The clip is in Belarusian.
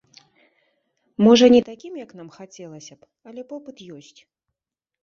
Можа, не такім, як нам хацелася б, але попыт ёсць.